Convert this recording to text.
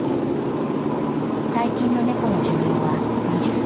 最近の猫の寿命は二十歳。